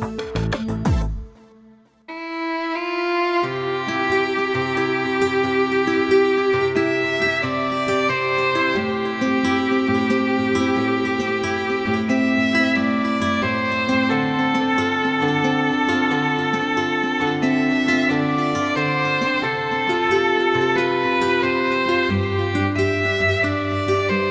masa itu tadi sudah keuarstukan pakai yang writings